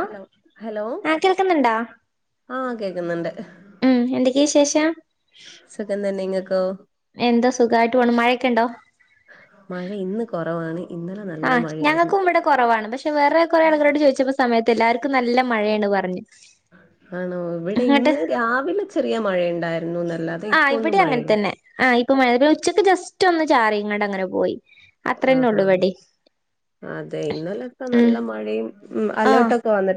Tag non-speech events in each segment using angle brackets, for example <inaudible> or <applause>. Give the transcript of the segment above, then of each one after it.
hello hello ആ കേൾക്കുന്നുണ്ടോ ആഹ് കേക്കുന്നുണ്ട് ഉം എന്തൊക്കെയാ വിശേഷം സുഖം തന്നെ ഇങ്ങക്കോ എന്താ സുഖായിട്ട് പോണ് മഴയൊക്കെയുണ്ടോ മഴ ഇന്ന് കൊറവാണ് ആഹ് ഞങ്ങക്കും ഇവിടെ കൊറവാണ് പക്ഷെ വേറെ കുറേ ആൾക്കാരോട് ചോയ്ച്ചപ്പൊ സമയത്ത് എല്ലാർക്കും നല്ല മഴയാണ് പറഞ്ഞു ആണോ ഇവിടെ ഇങ്ങോട്ട് ഇന്ന് രാവിലെ ചെറിയ മഴയിണ്ടായിരുന്നു എന്നല്ലാ തെ ഇപ്പവൊന്നും മഴയില്ല ആഹ് ഇപ്പ മഴ പിന്നെ ഉച്ചക്ക് ജസ്റ്റൊന്ന് ചാറിങ്ങാണ്ടങ്ങനെ പോയി അത്രന്നെ ആഹ് ഉള്ളൂ ഇവിടേം ആഹ് അതെ ഇന്നലെയൊക്കെ ഉം നല്ല മഴയും ഉം ആ അലേർട്ടൊക്കെ വന്നി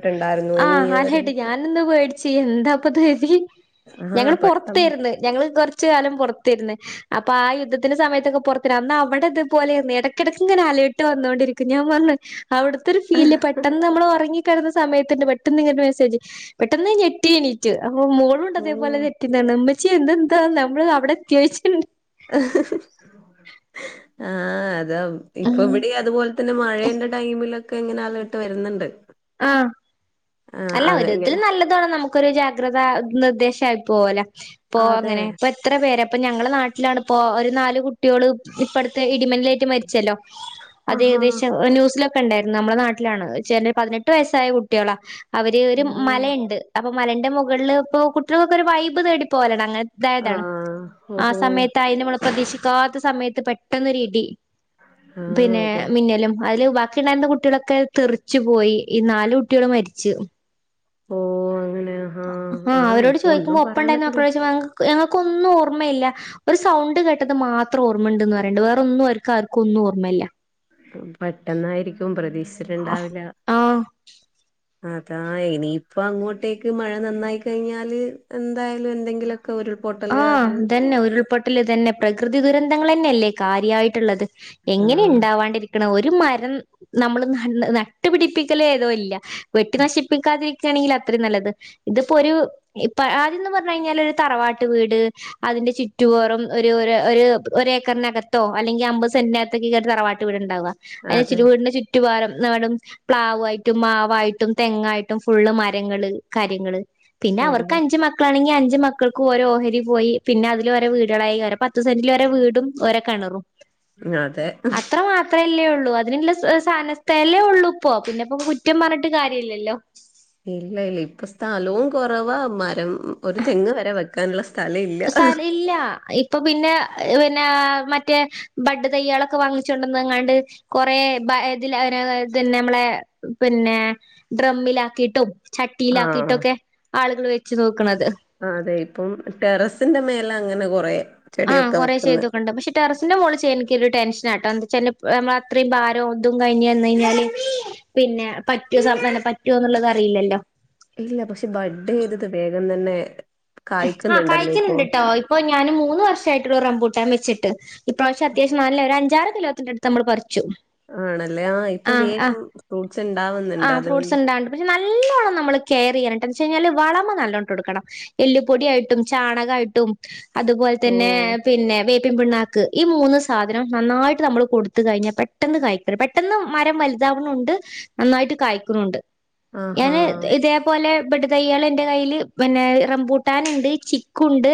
ആഹ് അലേർട്ട് ഞാനൊന്ന് പേടിച്ച് എന്താപ്പത് കരുതി ആഹ് ഞങ്ങള് പെട്ടെന്ന് പൊറത്തേരുന്ന് ഞങ്ങള് കൊറച്ച് കാലം പൊറത്തേരുന്ന് അപ്പോ ആ യുദ്ധത്തിന്റെ സമയത്തൊക്കെ പൊറത്തേന്ന് അന്ന് അവടെ ഇതേ പോലെയാന്ന് എടക്കെടക്ക് ഇങ്ങനെ അലേ ർട്ട് വന്നോണ്ടിരിക്കും ഞാൻ വന്ന് അവിടുത്തെയൊരു ഫീല് പെട്ടന്ന് നമ്മൾ ഉറങ്ങിക്കിടുന്ന സമയ ത്ത് തന്നെ പെട്ടന്ന് ഇങ്ങനൊരു മെസേജ് പെട്ടെന്ന് ഞാൻ ഞെട്ടി എണീക്കും അപ്പോ മോളും ഉണ്ട് ഓ അതേപോലെ <unintelligible> ച്ചേ ഇതെന്താ നമ്മള് അവിടെ ചേച്ചിയുണ്ട് ആഹ് അതാ ഇപ്പ ഉം ഇവിടെയും അതുപോലെ തന്നെ മഴേന്റെ ടൈമിലൊക്കെ ഇങ്ങനെ അലേർട്ട് വരുന്നുണ്ട് ആഹ് ആഹ് അല്ല അത് ഒരു വിധത്തില് ഇങ്ങനെ നല്ലതാണ് നമു ക്കൊരു ജാഗ്രത നിർദ്ദേശമായി പോകലാ അപ്പൊ അതെ അങ്ങനെ എത്ര പേരാ അപ്പൊ ഞങ്ങളുടെ നാട്ടിലാണ് ഇപ്പോ ഒരു നാല് കുട്ടികള് ഇപ്പോ അടുത്തെ ഇടിമിന്നലേറ്റ് മരി ച്ചല്ലോ അത് ആഹാ ഏകദേശം ന്യൂസിലൊക്കെ ഉണ്ടായിരുന്നു നമ്മുടെ നാട്ടിലാണ് ചാനൽ പതിനെ ട്ട് വയസ്സായ കുട്ടികളാ അവര് ഒരു ഓ മലയുണ്ട് അപ്പൊ മലേന്റെ മുകളിൽ ഇപ്പോ കുട്ടികൾക്കൊരു വൈബ് തേടി പോകലാണ് അങ്ങനെ അതായതാണ് ആഹ് ആ ഓഹോ സമയത്തായ നമ്മൾ പ്രതീക്ഷിക്കാത്ത സമയത്ത് പെട്ടെന്നൊരു ഇടി ആഹ് പിന്നെ അതെ മിന്നലും അതില് ബാക്കി ഉണ്ടായിരുന്ന കുട്ടികളൊക്കെ തെറിച്ച് പോയി ഈ നാല് കുട്ടികള് മരിച്ചു ഓ അങ്ങനെയാ ആഹ് അവരോട് ചോദിക്കുമ്പോ ഒപ്പം ഉണ്ടായിരുന്ന <unintelligible> ഞങ്ങൾക്കൊന്നും ഓർമ്മയില്ല ഒരു സൗണ്ട് കേട്ടത് മാത്രം ഓർമ്മയുണ്ടന്ന് പറയണ്ട് വേറൊന്നും അവർക്ക് ആർക്കും ഒന്നും ഓർമ്മയില്ല പെട്ടെന്നായിരിക്കും പ്രതീക്ഷിച്ചിട്ടുണ്ടാവില്ല ആഹ് അതാ ഇനിയിപ്പ അങ്ങോട്ടേക്ക് മഴ നന്നായി കഴിഞ്ഞാല് എന്തായാലും എന്തെങ്കിലുമൊക്കെ ഒരു ആഹ് അതെന്നെ ഉരുൾപൊട്ടൽ ഇതന്നെ പ്രകൃതി ദുരന്തങ്ങൾ തന്നെല്ലേ കാര്യായിട്ട്ള്ളത് എങ്ങനെ ആഹ് ഇണ്ടാവാണ്ടിരിക്ക് ഒരു മരം നമ്മൾ ന നട്ടുപിടിപ്പിക്കല് ഏതും ഇല്ല വെട്ടി നശിപ്പിക്കാതിരിക്ക ആണെങ്കിൽ അത്രയും നല്ലത് ഇതിപ്പൊ ഒരു ഇപ്പ ആദ്യന്ന്റഞ്ഞു കഴിഞ്ഞാൽ ഒരു തറവാട്ട് വീട് അതിന്റെ ചുറ്റുപോറും ഒരു ഒരു ഏക്കറിനകത്തോ അല്ലെങ്കിൽ അമ്പത് സെന്റിനകത്ത് കേറി തറവാട്ട ചു വീട്ണ്ടാവ അതിച്ച് അതെ വീടിന്റെ ചുറ്റുപാരം നാടും പ്ലാവായിട്ടും മാവായിട്ടും തെങ്ങായിട്ടും ഫുള്ള് മരങ്ങള് കാര്യങ്ങള് പിന്നെ അവർക്ക് ശരിയാ അഞ്ച് മക്കളാണെങ്കിൽ അഞ്ച് മക്കൾ ഓരോ ഓഹരി പോയി പിന്നെ അതില് ഓരോ വീടാളായി ഓരോ പത്ത് സെന്റിൽ ഓരോ വീടും ഓരോ കിണറും അതെ അത്ര മാത്ര അത്രയല്ലേ ഉള്ളൂ അതിനുള്ള സാന സ്ഥല ഉള്ളൂ ഇപ്പ പിന്നെ ഇപ്പൊ കുറ്റം പറഞ്ഞിട്ട് കാര്യം ഇല്ലല്ലോ ഇല്ല ഇല്ല ഇപ്പൊ സ്ഥലവും കുറവാ മരം ഒരു തെങ്ങ് വരെ വക്കാ ക്കാനുള്ള സ്ഥലം ഇല്ല സ്ഥല ഇല്ല അപ്പൊ പിന്നെ പിന്നെ മറ്റേ ബഡ് തൈയ്യാളൊക്കെ വാങ്ങിച്ചൊട്ന്ന്ങ്ങാണ്ട് കുറേ ബ് ഇതിൽ അയി ഇതെന്നെ നമ്മളെ പിന്നെ ഡ്രമ്മിലാക്കിയിട്ടും ആഹ് ചട്ടിയിലാക്കിയിട്ടൊക്കെ ആളുകൾ വെച്ചു തൂക്ക്ണത് അതെ ഇപ്പം ടെറസിന്റെ മേലെ അങ്ങനെ കൊറേ ആഹ് കൊറേ ചെയ്തോക്കണ്ട പക്ഷെ ടെറസിന്റെ മോളിൽ ചെയ്യാൻ എനിക്കൊരു ടെൻഷൻ ആട്ടോ എന്താച്ചാല് നമ്മള അത്രയും ഭാരവും ഇതും കഴിഞ്ഞന്ന് കഴിഞ്ഞാല് പിന്നെ പറ്റുസ പറ്റോന്നുള്ളത് അറിയില്ലല്ലോ ഇല്ല പക്ഷെ ബഡ് ചെയ്ത്ട്ട് വേഗം തന്നെ ആഹ കായ്ക്കുന്നുണ്ടല്ലോ ഇപ്പൊ കായിക്കലുണ്ട്ട്ടോ ഇപ്പൊ ഞാൻ മൂന്ന് വർഷമായിട്ടോള്ളു റംമ്പൂട്ടാൻ വെച്ചിട്ട് ഇപ്രാവശ്യം അത്യാവശം നല്ല ഒരു അഞ്ചാറ് കിലോത്തിന്റടുത്ത് നമ്മൾ പ പറിച്ചു ആണല്ലേ ആ ഇപ്പൊ ആഹ് ആഹ് വേഗം ഫ്രൂട്ട്സ് ഇണ്ടാവുന്നുണ്ട് ആഹ് ഫ്രൂട്ട്സ് അതുകൊണ്ട് ഉണ്ടാണ്ട് പക്ഷെ നല്ലോണ്ണം നമ്മള് കെയർ ചെയ്യണട്ടന്ന് വെച്ച് കഴിഞ്ഞാല് വളമ നല്ലോട്ടൊടുക്കണം എല്ലിപ്പൊടി ആയിട്ടും ചാണകായിട്ടും അതുപോലെ ഓ തന്നെ പിന്നെ വെ പിൻ പിണ്ണാക്ക് ഈ മൂന്ന് സാധനം നന്നായിട്ട് നമ്മൾ കൊടുത്ത് കഴിഞ്ഞാൽ പെട്ടെന്ന് കായിക്കരം പെ പെട്ടെന്ന് മരം വലുതാവുണുണ്ട് നന്നായിട്ട് കായ്ക്കുണുണ്ട് ആഹാ ഞാന് ഇതേപോലെ ബഡ് തയ്യാള് ഇന്റെ കയ്യില് പിന്നെ റംബൂട്ടാന് ഇണ്ട് ചിക്കുണ്ട്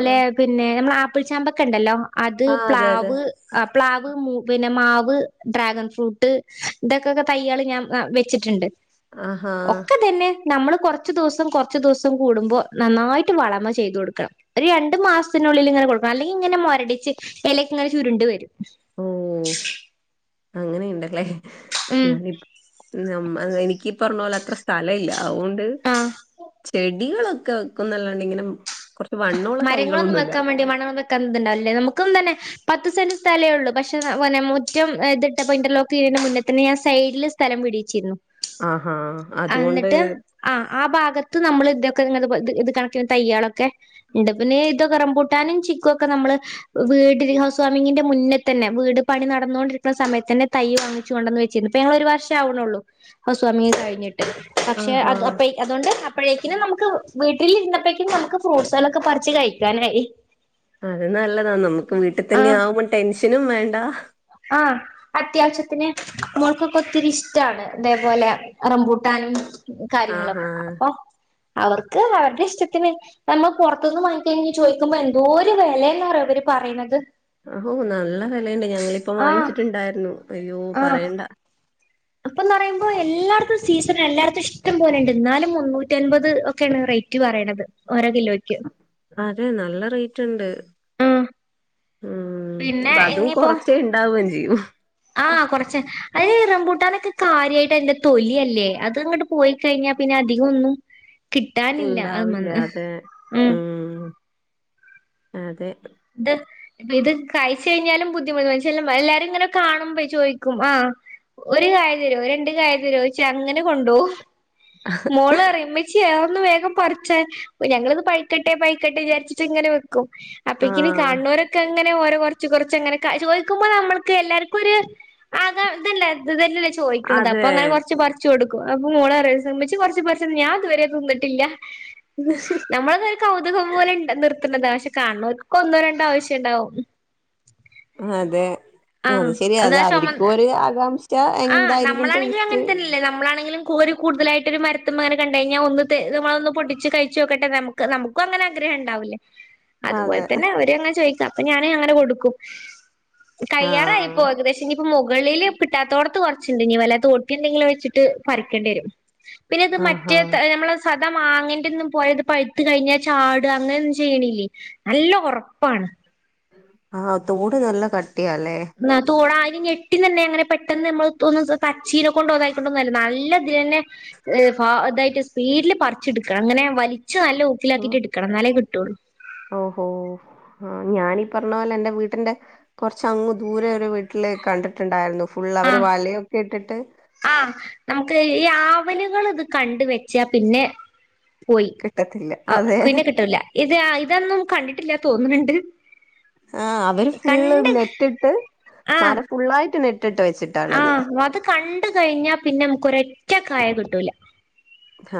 ആ പിന്നെ നമ്മളെ ആപ്പിൾ ചാമ്പക്കെ ഇണ്ടല്ലോ അത് ആ അതെ അതെ പ്ലാവ് ആഹ് പ്ലാവ് മൂ പിന്നെ മാവ് ഡ്രാഗൺ ഫ്രൂട്ട് ഇതൊക്കെക്കെ തയ്യാള് ഞാൻ വ വെ ച്ചിട്ട്ണ്ട് ആഹാ ഒക്ക ഇതന്നെ നമ്മള് കൊറച്ച് ദിവസം കൊറച്ച് ദിവ്സ് സം കൂടുമ്പോ നന്നായിട്ട് വളമ ചെയ്തു കൊടുക്കണം ഒരു രണ്ട് മാസത്തിനുള്ളില് ഇങ്ങനെ കൊടുക്കണം അല്ലെങ്കി ഇങ്ങനെ മൊരടിച്ച് എല ഒക്കെ ഇങ്ങനെ ചുരുണ്ട് വരും ഓ അങ്ങനിം ഇണ്ടല്ലേ ഉം ഞാനി നം അത് എനിക്കീ പറഞ്ഞ പോലെ അത്ര സ്ഥല ഇല്ല അതുകൊണ്ട് ആഹ് ചെടികളൊക്കെ വെക്കുംന്നല്ലാണ്ടിങ്ങനെ മരങ്ങളൊന്നും വെക്കാൻ വേണ്ടി മണവം വെക്കാൻ ഇതുണ്ടാവല്ലേ നമുക്കും തന്നെ പത്ത് സെന്റ് സ്ഥലേ ഉള്ളു പക്ഷെ <unintelligible> മുറ്റം ഏഹ് ഇതിട്ടപ്പോ ഇന്റർലോക്ക് ചെയ്യണ മുന്നേ തന്നെ ഞാൻ സൈഡില് സ്ഥലം വിടീച്ചിരുന്നു ആഹാ അതുകൊണ്ട് ആഹ് ആഹ് ഭാഗത്ത് നമ്മള് ഇതൊക്കെ ഇങ്ങനതെ പോൽ ഇത് കണക്കിന് തൈയ്യാളൊക്കെ ഉണ്ട് പിന്നേ ഇത് ഒക്കെ റംബൂട്ടാനും ചിക്കു ഒക്കെ നമ്മള് വീടില് ഹൗസ് വാമിഗിന്റെ മുന്നെ തന്നെ വീട് പണി നടന്നോണ്ടിരിക്കണ സമയത്ത് തന്നെ തൈ വാങ്ങിച്ചു കൊണ്ട് വന്ന് വച്ചിന്നു ഇപ്പ ഞങ്ങള് ഒരു വർഷാ ആവണുള്ളൂ ഹൗസ് വാമിഗ് കഴിഞ്ഞിട്ട് പക്ഷെ ആഹാ അത് അപ്പ അതുകൊണ്ട് അപ്പഴേക്കിനും നമുക്ക് വീട്ടിലിരുന്നപ്പേക്കും നമുക്ക് ഫ്രൂട്ട്സ്കളൊക്കെ പറിച്ച് കഴിക്കാനായി അത് നല്ലതാ നമുക്ക് വീട്ടി ആഹ് തന്നെയാവുമ്പം ടെൻഷനും വേണ്ടാ ആഹ് അത്യാവശ്യത്തിന് മോൾക്കൊക്കെ ഒത്തിരി ഇഷ്ടാണ് ഇതേപോലെ റംബൂട്ടാനും ആഹാ കാര്യങ്ങളൊക്കെ അപ്പോ അവർക്ക് അവർടെ ഇഷ്ടത്തിന് നമ്മ പൊറത്തൂന്ന് വാങ്ങിക്കഴിഞ്ഞാ ചോദിക്കുമ്പോ എന്തോരു വെലയന്നറിയോ അവര് പറയണത് ആഹോ നല്ല വെലയുണ്ട് ഞങ്ങളിപ്പം ആഹ് വാങ്ങിച്ചിട്ടുണ്ടായിരുന്നു അയ്യോ ആഹ് പറയണ്ടാ അപ്പന്ന് പറയുമ്പോ എല്ലാടത്തും സീസണാ എല്ലാടത്തും ഇഷ്ടം പോലെണ്ട് എന്നാലും മുന്നൂറ്റൻപത് ഒക്കെയാണ് റേ റ്റ് പറയണത് ഓരോ കിലോക്ക് അതേ നല്ല റേറ്റോണ്ട് ഉം പിന്നെ അപ്പം അതും ഇനിയിപ്പോ കൊറച്ചേ ഇണ്ടാവേം ചെയ്യും ആഹ് കൊറച്ച് അത് ഈ റംപൂട്ടാനൊക്കെ കാര്യായിട്ട് അതിന്റെ തൊലിയല്ലേ അത് അങ്ങട്ട് പോയി കഴിഞ്ഞാ പിന്നെ അധികം ഒന്നും കിട്ടാനില്ല അത് ഉണ്ടാവില്ല മന്ന് അതെ ഉം അതെ ഇത് ഇത് കയിച്ച് കഴിഞ്ഞാലും ബുദ്ധിമുട് <unintelligible> എല്ലാരും ഇങ്ങനെ കാണുമ്പെ ചോയിക്കും ആഹ് ഒരു കായ തരുവോ രണ്ട് കായ തരുവോച്ചാ അങ്ങനെ കൊണ്ടുപോവും മോള് അറിയും ഉ മ്മച്ചി അത് ഒന്ന് വേഗം പറിച്ചേ ഞങ്ങളത് പഴ്ക്കട്ടെ പഴ്ക്കട്ടെ വിചാരിച്ചിട്ട് ഇങ്ങനെ വെക്കും അപ്പേക്കിന് ആഹ് കാണുന്നോരൊക്കെ അങ്ങനെ ഓരോ കൊറച്ച് കൊറച്ച് അങ്ങനെ ക ചോയിക്കുമ്പോ നമ്മൾക്ക് എല്ലാർക്കും ഒര് അതാ ഇതല്ലേ ഇതതന്നല്ല്യേ ചോയിക്കണത് അപ്പോ അതെ അങ്ങനെ കൊറച്ച് പറി ച്ചു കൊടുക്കും അപ്പോ മോളറയാ സെമ്മിച്ച് കൊറച്ച് പറിച്ച് തന്നാ ഞാൻ ഇതുവരെ തിന്നിട്ടില്ലാ നമ്മളത് കൗതുകം പോലൊണ്ട് നിർത്തുന്നതാ പക്ഷെ കാണുന്നോർക്ക് ഒന്നോ രണ്ടോ ആവശ്യം ഇണ്ടാവും അതേ അത് ആഹ് ശരിയാ അത് അതാ അവരിക്കും ചൊമന്ന ഒരു ആകാംക്ഷ ആഹ് എന്തായിരിക്കും നമ്മളാണെങ്കിലും ടേസ്റ്റ് അങ്ങനെ തന്നെയല്ലേ നമ്മളാണെങ്കിലും കോരി കൂടുതലായിട്ട് ഒരു മരത്തുമ്മേ അങ്ങനെ കണ്ട് കഴിഞ്ഞാ ഒന്ന് തെ നമ്മളൊന്ന് പൊട്ടിച്ച് കഴിച്ച് നോക്കട്ടെ നമുക്ക് നമുക്കും അങ്ങനെ ആഗ്രഹ ഉണ്ടാവില്ലേ അതുപോലെ അതെ തന്നെ അവര് അങ്ങനെ ചോയിക്കും അപ്പ ഞാന് അങ്ങനെ കൊടുക്കും കയ്യാറായിപ്പോ ആഹ് ഏകദേശം ഇനിപ്പോ മോകളില് കിട്ടാത്തോടത്ത് കൊറച്ചുണ്ട് ഇനി വല്ല തോട്ടി എന്തെങ്കിലും വെച്ചിട്ട് പറിക്കേണ്ടി വരും പിന്നെ ഇത് ആഹാ മറ്റേ ത് നമ്മളെ സാധാ മാങ്ങേന്റെ ഒന്നും പോയത് പഴുത്ത് കഴിഞ്ഞാ ചാടുവാ അങ്ങനെയൊന്നും ചെയ്യണില്ലേ നല്ല ഒറപ്പാണ് ആഹ് തോട് നല്ല കട്ടിയാല്ലേ നാ തോടാതിന് ഞെട്ടിന് തന്നെ അങ്ങനെ പെട്ടെന്ന് നമ്മള് തൊ ഒന്ന് പച്ചീനെ കൊണ്ട് ഒതായിക്കൊണ്ടന്നല്ല നല്ല ഇതിലന്നെ ഫ അതായിട്ട് സ്പീഡില് പറിച്ചെടുക്കണം അങ്ങനെ വലിച്ച് നല്ല ലാക്കിട്ട് എടുക്കണം എന്നാലെ കിട്ടുള്ളു ഓഹോ ആഹ് ഞാനീ പറഞ്ഞ പോലെ എന്റെ വീട്ടിന്റെ കൊറച്ചങ്ങ് ദൂരെ ഒരു വീട്ടില് കണ്ടിട്ടുണ്ടാരുന്നു ഫുള്ള് അവര് ആഹ് വലയൊക്കെ ഇട്ടിട്ട് ആഹ് നമുക്ക് ഈ ആവലുകള് ഇത് കണ്ട് വെച്ചാ പിന്നെ പോയി കിട്ടത്തില്ല ആഹ് അതെ പിന്നെ കിട്ടുല്ല ഇത് ഇതൊന്നും കണ്ടിട്ടില്ല തോന്നണ് ണ്ട് ആഹ് അവര് ഫുള്ള് നെറ്റിട്ട് ആഹ് മര ഫുള്ളായിട്ട് നെറ്റിട്ട് വെച്ച് ആഹ് അത് കണ്ട് കഴിഞ്ഞാ പിന്നെ നമുക്ക് ഒരറ്റക്കായ കിട്ടൂല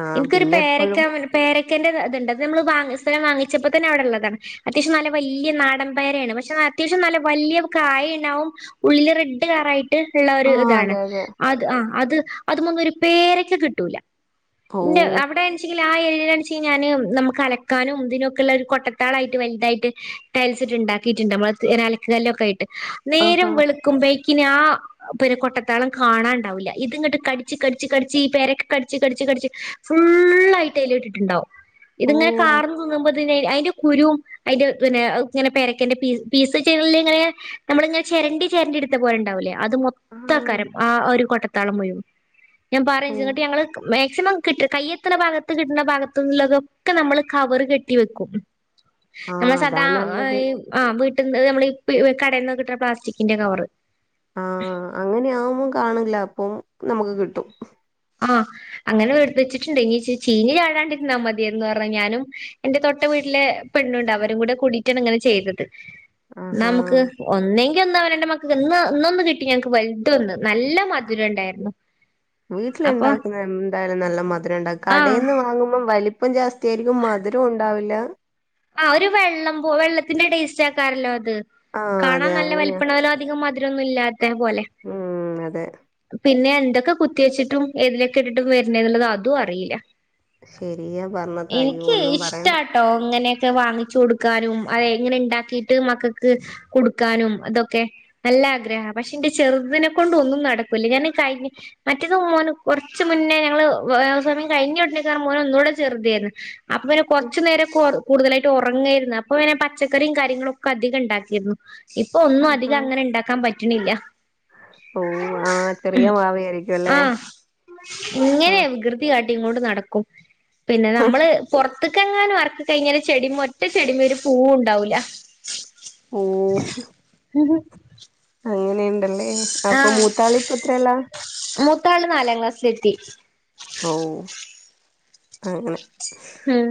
ആഹ് ഇൻക്കൊരു പിന്നെ പേരൊക്കാ എപ്പഴും മരം പേരക്കന്റെ ഇത്ണ്ട് അത് നമ്മള് വാങ്ങി സ്ഥിരം വാങ്ങിച്ചപ്പോ തന്നെ അവിടെ ഉള്ളതാണ് അത്യാവശ്യം നല്ല വലിയ നാടൻപേരയാണ് പക്ഷെ അത്യാവശ്യം നല്ല വലിയ കായ ഉണ്ടാവും ഉള്ളില് റെഡ് കറയിട്ട് ഉള്ള ഒരു ആഹ് ഇതാണ് അതെ അതെ അത് ആഹ് അത്മുങ്ങരു പേരക്ക് കിട്ടൂല ഓ ഇണ്ട് അവിടെ ആ ഏയൽന്ന് വെച്ച ഞാന് നമുക്ക്‌ അലക്കാനും ഇതിനൊക്കെുള്ളരു കൊട്ടത്താളായിട്ട് വലുതായിട്ട് ടൈൽസ്ട്ട ഉണ്ടാക്കിയിട്ടുണ്ട് നമ്മള അലക്ക കല്ലൊക്കെ ആയിട്ട് നേരം ആഹാ വെളുക്കുമ്പോഴേക്കിന ആ പേര കൊട്ടത്താളം കാണാണ്ടാവില്ല ഇത് ഇങ്ങട്ട് കടിച്ച് കടിച്ച് കടിച്ച് ഈ പെരക്ക കടിച്ച് കടിച്ച് കടിച്ച് ഫുള്ളായിട്ട് അയ്ല ഇട്ടിട്ടുണ്ടാവും ഓ ഇതിങ്ങനെ കാറന്ന്തിന്നുമ്പോൾ പിന്നെ അയ്ന്റെ കുരുവും അയ്ന്റെ പിന്നെ ഇങ്ങനെ പേരക്കന്റെ ഇങ്ങനെ പീസ്ചെയ്യല് എങ്ങനാ ഇങ്ങനെ നമ്മളിങ്ങനെ ചെരണ്ടി ചെരണ്ടി എടുത്ത പോലെണ്ടാവില്ലേ അത് മൊത്ത ആഹ് കരം ആ ഒരു കൊട്ടത്താളം മുഴ ഞാൻ ഓ പറങ്ങിട്ട് ഞങ്ങള് മാക്സിമം കിട്ട് കയ്യെത്ത്ണ ഭാഗത്ത് കിട്ടുന്ന ഭാഗത്തുള്ളതൊക്കെ നമ്മള് കവറ് കെട്ടി വെക്കും ആഹ് നമ്മള് അതാ സദാ നല്ലത് ഈ ആ വീട്ടിൽന്ന് നമ്മള് കടയിൽന്ന് കിട്ടുന്ന പ്ലാസ്റ്റിക്കിന്റെ കവറ് ആഹ് അങ്ങനെയ ആകുമ്പോ കാണില്ല അപ്പം നമുക്ക് കി ആഹ് അങ്ങനെ വെടു വെച്ചിട്ടുണ്ട് ഇനി ചീനി ചാടാണ്ടിരുന്നാ മതിയ എന്ന് പറഞ്ഞാലും എന്റെ തൊട്ട വീട്ടിലെ പെണ്ണുണ്ട് അവരും കൂടെ കൂടിയിട്ടാണ് ഇങ്ങനെ ചെയ്തത് ന്നാ ആഹാ നമുക്ക് ഒന്നേ ഇന്ന് എന്റെ മക്കക്ക് ഇന്ന് ഇന്നൊന്ന് കിട്ടി ഞങ്ങക്ക് വലുതൊന്ന് നല്ല മധുരംണ്ടായിരുന്നു വീട്ടിലുണ്ടാക്കുന്ന എന്തായാലും നല്ല മധുരം ഉണ്ടാ ആഹ് കടയിൽന്ന് വാങ്ങുമ്പോം വലി ഇപ്പം ജാസ്തിയായിരിക്കും മധുരം ഉണ്ടാവില്ല ആഹ് ഒരു വെള്ളം പോ വെള്ളത്തിന്റെ ടേസ്റ്റ് ആക്കാറല്ലോ അത് ആഹ് അതെ കാണാൻ നല്ല അങ്ങനെയാ വലിപ്പണലോ അധികം മധുരന്നും ഇല്ലാത്ത പോലെ ഉം അതെ പിന്നെ എന്തൊക്കെ കുത്തി വെച്ചിട്ടും തിലൊക്കെ ഇട്ടിട്ടും വരണ എന്നുള്ളത് അതും അറിയില്ല ശെരിയ പർണത് അയ്യോ ഒന്നും പറയണ്ട ട്ടോ ഇങ്ങനെയൊക്കെ വാങ്ങിച്ചു കൊടുക്കാനും അതെ എങ്ങനെ ഉണ്ടാക്കിട്ട് മക്കൾക്ക് കൊടുക്കാനും അതൊക്കെ നല്ല ആഗ്രഹ പക്ഷെ എന്റെ ചെറുതിനെ കൊണ്ട് ഒന്നും നടക്കൂല ഞാന് കഴിഞ്ഞ മറ്റേത് മോന് കുറച്ചുമുന്നേ ഞങ്ങള് ഹൗസ് വാമിങ് കഴിഞ്ഞുടുന്നേക്കാ മോന ഒന്നുകൂടെ ചെറുതായിരുന്നു അപ്പൊ പിന്നെ ഉം കുറച്ചു നേരം കോടും കൂടുതലായിട്ട് ഉറങ്ങായിരുന്നു അപ്പൊ പിന്നെങ്ങനെ പച്ചക്കറിയും കാര്യങ്ങളൊക്കെ അധികം ഉണ്ടാക്കിരുന്നു ഇപ്പൊ ഒന്നു ആഹാ അധികം അങ്ങനെ ഉണ്ടാക്കാൻ പറ്റണില്ല ഓ ആഹ് ചെറിയ മാവയായിരിക്കും അല്ലേ ആഹ് ഇങ്ങനെയ ആഹ് കൃ ട്ടിയ അടി കൊണ്ട് നടക്കും പിന്നെ നമ്മള് പുറത്തക്കങ്ങാനം അർ കയിഞ്ഞാൽ ചെടിമ്മ ഒറ്റ ചെടിമ ഒരു പൂവ് ഉണ്ടാവൂല ഉം <unintelligible> അങ്ങനെയണ്ടല്ലേ ആഹ് മൂത്താള് നാലാം ക്ലാസ്സിലെത്തി ഓഹ് അങ്ങനെ ഉം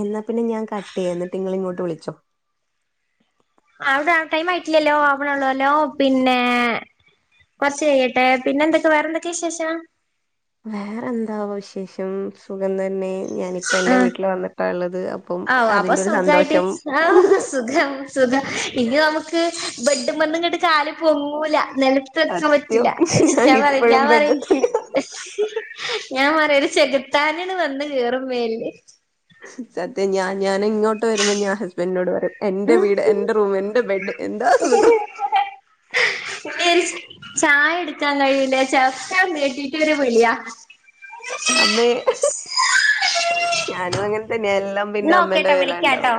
എന്നാ പിന്നെ ഞാൻ കട്ടെയ്യ ന്നിട്ട് ഇങ്ങളിങ്ങോട്ട് വിളിച്ചോ അവ്ടെ ടൈമായിട്ടില്ലല്ലോ ആവണെള്ളോല്ലോ പിന്നെ കൊറച്ച് കഴിയ്യട്ടെ പിന്നെ എന്തൊക്കെ വേറെന്തൊക്കെ വിശേഷം വേറെന്താവൊ വിശേഷം സുഖം തന്നെ ഞാനിപ്പ എന്റെ വീട്ടില് വന്നിട്ടാള്ളത് അ അവു അപ്പം സുഖായിട്ടി ആഹ് സുഖം സുഖം ഇനി ഞമ്മക്ക് ബെഡ്മന്ന്ങ്ങട്ട് കാല് പൊങ്ങൂല നെല ത്തെക്കാൻ സത്യം പറ്റില്ല അയ്ഷ് ഞാൻ പറിയും ഇപ്പോഴും ഞാൻ ബെഡ് തന്നെയാ പറിയും ഞാൻ പറയൊര് ചെകുത്താന്ണ് വന്ന് കേറും മേലില് സത്യം ഞാൻ ഞാനിങ്ങോട്ട് വെരുമ്പോ ഞാൻ ഹസ്ബന്റിനോട് പറിയും എന്റെ വീട് എന്റെ റൂമ് എന്റെ ബെഡ് എന്താ എത സുഖം <inaudible> <unintelligible> ചായ എട്ക്കാൻ കഴിയൂല <unintelligible> നീട്ടിട്ട് ഒരു വിളിയാ അമ്മേ ഞാനും അങ്ങത്തന്നെയാ എല്ലാം പിന്നെ എന്നാ അമ്മേന്റെ ഓക്കേട്ടോ മേലാ ഇണ്ടാവാ വിളിക്കാട്ടോ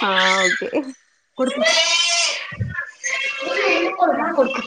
ഹാ ഓക്കെ കൊടുക്ക് ആഹ് കൊടുക്ക്